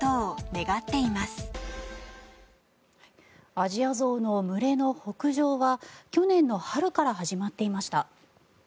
アジアゾウの群れの北上は去年の春から始まっていました。